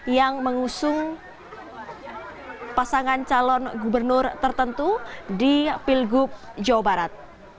yang mengusung pasangan calon gubernur tertentu di pilgub jawa barat